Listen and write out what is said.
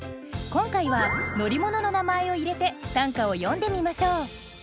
今回は乗り物の名前を入れて短歌を詠んでみましょう。